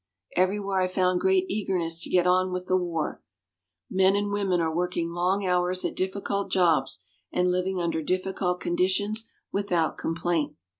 Everywhere I found great eagerness to get on with the war. Men and women are working long hours at difficult jobs and living under difficult conditions without complaint.